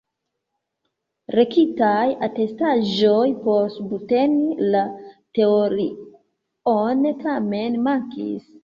Rektaj atestaĵoj por subteni la teorion tamen mankis.